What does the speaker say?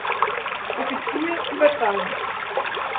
Offizier übertragen.